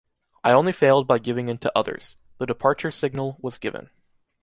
I only failed by giving in to others'."The departure signal was given.